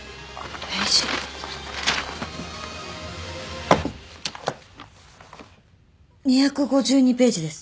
ページ？２５２ページです。